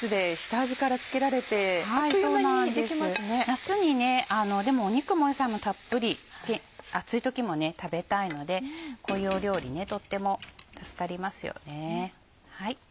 夏にでも肉も野菜もたっぷり暑い時も食べたいのでこういう料理とっても助かりますよね。